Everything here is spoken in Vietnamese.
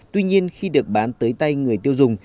tuy nhiên khi được bán tới tay người tiêu dùng